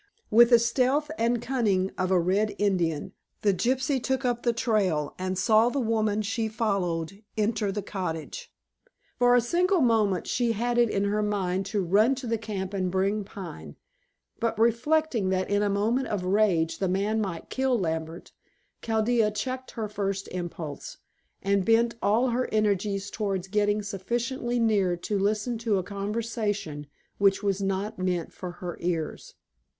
With the stealth and cunning of a Red Indian, the gypsy took up the trail, and saw the woman she followed enter the cottage. For a single moment she had it in her mind to run to the camp and bring Pine, but reflecting that in a moment of rage the man might kill Lambert, Chaldea checked her first impulse, and bent all her energies towards getting sufficiently near to listen to a conversation which was not meant for her ears.